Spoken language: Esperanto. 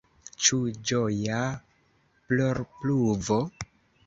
Ĉu ĝoja plorpluvo?